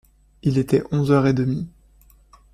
Il était onze heures et demie.